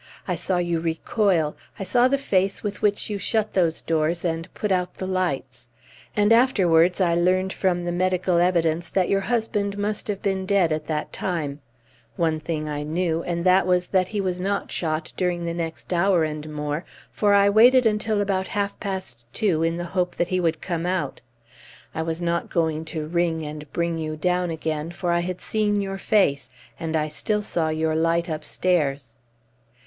I saw you recoil, I saw the face with which you shut those doors and put out the lights. And afterwards I learned from the medical evidence that your husband must have been dead at that time; one thing I knew, and that was that he was not shot during the next hour and more, for I waited about until half past two in the hope that he would come out. I was not going to ring and bring you down again, for I had seen your face, and I still saw your light upstairs."